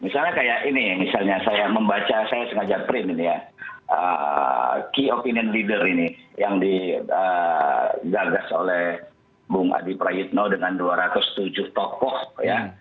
jadi kita misalnya saya membaca saya sengaja print ini ya kepercayaan utama ini yang di gagas oleh bung adi prayudno dengan dua ratus tujuh tokoh ya